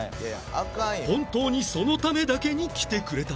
本当にそのためだけに来てくれた